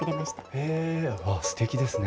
へえすてきですね。